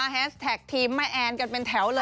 แฮสแท็กทีมแม่แอนกันเป็นแถวเลย